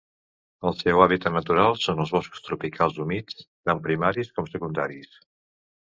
El seu hàbitat natural són els boscos tropicals humits, tant primaris com secundaris.